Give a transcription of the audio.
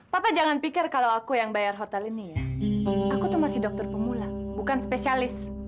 papa jangan pikir kalau aku yang bayar hotel ini ya aku tuh masih dokter pemula bukan spesialis